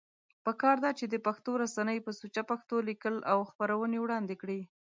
پکار ده چې دا پښتو رسنۍ په سوچه پښتو ليکل او خپرونې وړاندی کړي